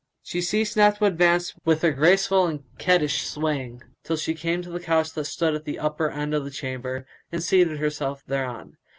She ceased not to advance with her graceful and coquettish swaying, till she came to the couch that stood at the upper end of the chamber and seated herself thereon.